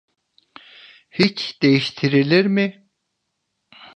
Hiç değiştirilir mi?